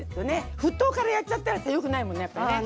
沸騰からやっちゃったらさよくないもんねやっぱね。